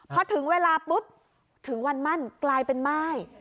พอถึงเวลาปุ๊บถึงวันมั่นกลายเป็นม่าย